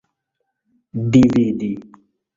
dividi